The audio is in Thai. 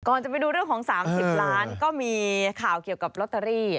จะไปดูเรื่องของ๓๐ล้านก็มีข่าวเกี่ยวกับลอตเตอรี่